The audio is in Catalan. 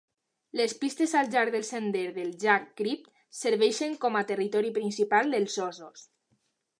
Les pistes al llarg del sender del llac Crypt serveixen com a territori principal dels ossos.